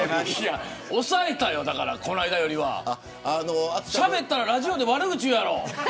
抑えたよ、この間よりは。しゃべったらラジオで悪口言うやろ。